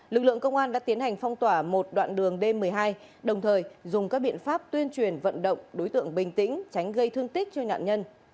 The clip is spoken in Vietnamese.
lực lượng công an đã tiến hành phong tỏa một đoạn đường d một mươi hai đồng thời dùng các biện pháp tuyên truyền vận động đối tượng bình tĩnh tránh gây thương tích cho nạn nhân